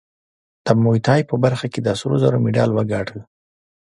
د موی تای په برخه کې د سرو زرو مډال وګاټه